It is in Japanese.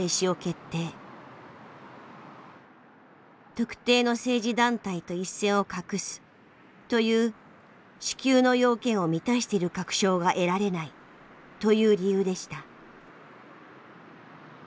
「特定の政治団体と一線を画す」という支給の要件を満たしている確証が得られないという理由でした。